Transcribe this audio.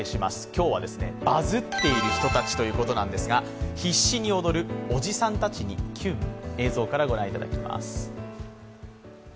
今日はバズっている人たちということなんですが必死に踊るおじさんたちにキュン、映像からご覧いただきます。